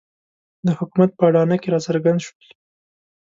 د حکومت په اډانه کې راڅرګند شول.